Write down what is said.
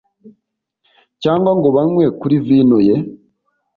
cyangwa ngo banywe kuri vino ye